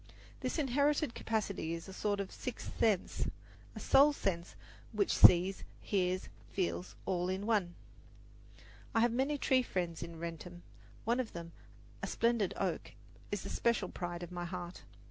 This inherited capacity is a sort of sixth sense a soul sense which sees, hears, feels, all in one. I have many tree friends in Wrentham. One of them, a splendid oak, is the special pride of my heart.